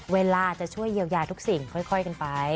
เวลาจะช่วยเยียวยาทุกสิ่งค่อยกันไป